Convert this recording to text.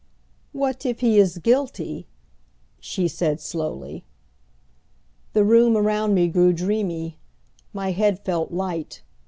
"What if he is guilty?" she said slowly. The room around me grew dreamy. My head felt light.